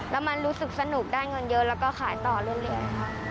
แล้วมันรู้สึกสนุกได้เงินเยอะแล้วก็ขายต่อเรื่อยค่ะ